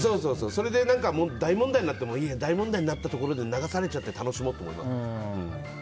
それで大問題になっても大問題になったところで流されちゃって楽しもうと思います。